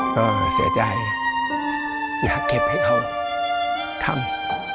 ก็เสียใจอยากเก็บให้เขาทำ